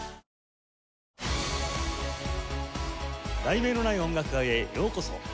『題名のない音楽会』へようこそ。